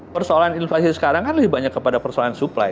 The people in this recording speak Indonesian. persoalan inflasi sekarang kan lebih banyak kepada persoalan supply